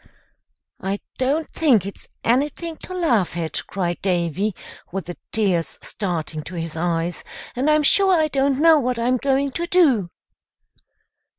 "I don't think it's anything to laugh at," cried Davy, with the tears starting to his eyes, "and I'm sure I don't know what I'm going to do."